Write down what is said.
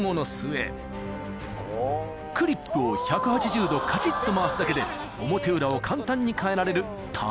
［クリップを１８０度カチッと回すだけで表裏を簡単に替えられる］